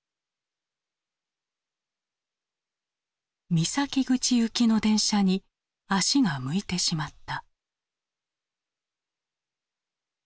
三崎口行きの電車に足が向いてしまった。